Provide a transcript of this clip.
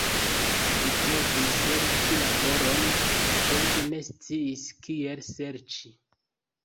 Li provis serĉi laboron, sed ne sciis kiel serĉi.